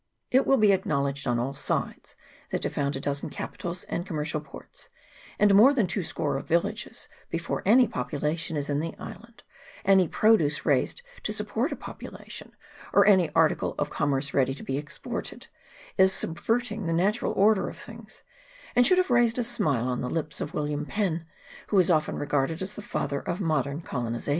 It will be acknowledged on all sides, that to found a dozen capitals and commercial ports, and more than two score of villages, before any population is in the island, any produce raised to support a popu lation, or any article of commerce ready to be ex ported, is subverting the natural order of things, and would have raised a smile on the lips of William Penn, who is often regarded as the father of modern colonization.